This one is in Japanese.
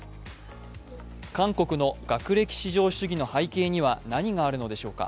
韓国の学歴至上主義の背景には何があるのでしょうか。